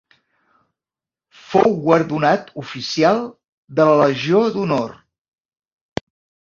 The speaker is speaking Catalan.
Fou guardonat Oficial de la Legió d'Honor.